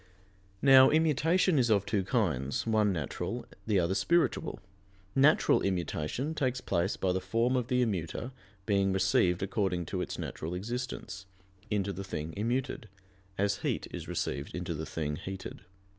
Now, immutation is of two kinds, one natural, the other spiritual. Natural immutation takes place by the form of the immuter being received according to its natural existence, into the thing immuted, as heat is received into the thing heated.